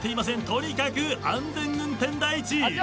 とにかく安全運転第一。